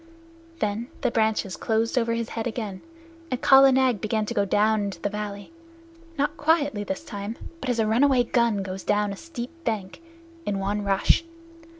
Then the branches closed over his head again, and Kala Nag began to go down into the valley not quietly this time, but as a runaway gun goes down a steep bank in one rush.